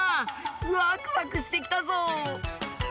ワクワクしてきたぞ。